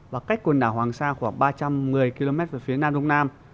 và cách quần đảo hoàng sa khoảng ba trăm một mươi km về phía nam đông nam